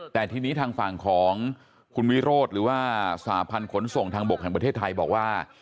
แต่ทีนี้ทางฝั่งของคุณวิโรธหรือว่าสหพันธ์ขนส่งทางบกแห่งประเทศไทยบอกว่า